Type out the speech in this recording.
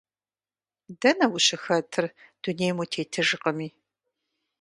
Дэнэ ущыхэтыр, дунейм утетыжкъыми.